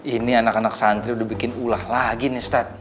ini anak anak santri udah bikin ulah lagi nih ustadz